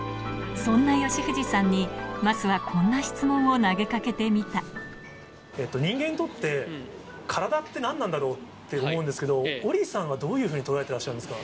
そんな吉藤さんに、人間にとって、カラダって何なんだろうって思うんですけれども、オリィさんはどういうふうに捉えてらっしゃいますか。